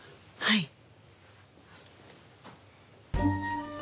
はい。